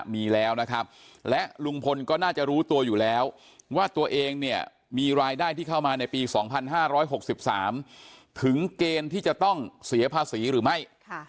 มีแล้วนะครับและลุงพลก็น่าจะรู้ตัวอยู่แล้วว่าตัวเองเนี่ยมีรายได้ที่เข้ามาในปี๒๕๖๓ถึงเกณฑ์ที่จะต้องเสียภาษีหรือไม่